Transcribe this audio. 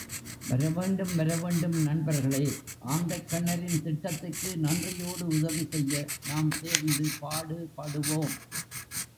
வரவேண்டும் வரவேண்டும் நண்பர்களே ஆந்தைக்கண்ணரின் திட்டத்துக்கு நன்றியோடு உதவிசெய்ய நாம் சேர்ந்து பாடுபடுவோம்.